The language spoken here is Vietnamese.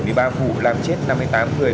một mươi ba vụ làm chết năm mươi tám người